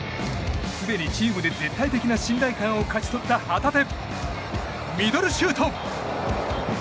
すでにチームで絶対的な信頼感を勝ち取った旗手ミドルシュート！